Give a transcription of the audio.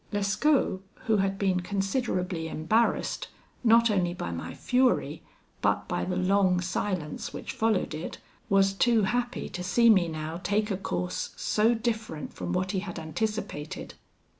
"Lescaut, who had been considerably embarrassed, not only by my fury, but by the long silence which followed it, was too happy to see me now take a course so different from what he had anticipated.